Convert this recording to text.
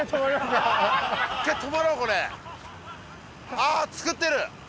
あー作ってる！